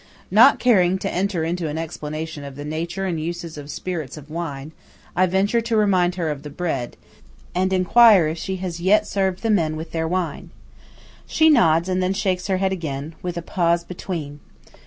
Not caring to enter into an explanation of the nature and uses of spirits of wine, I venture to remind her of the bread, and enquire if she has yet served the men with their wine. She nods and then shakes her head again, with a pause between.